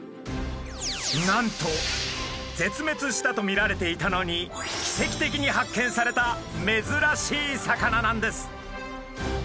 なんと絶滅したと見られていたのに奇跡的に発見されためずらしい魚なんです。